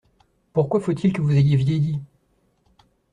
Pourquoi faut-il que vous ayez vieilli?